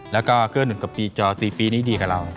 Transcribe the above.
แล้วก็เคลื่อนหนุนกับปีจอ๔ปีนี้ดีกับเรา